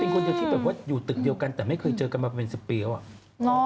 เป็นคนเดียวที่แบบว่าอยู่ตึกเดียวกันแต่ไม่เคยเจอกันมาเป็น๑๐ปีแล้วอ่ะ